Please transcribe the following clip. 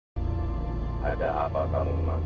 sekarang kamu harus mencari anak buah